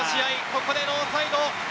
ここでノーサイド。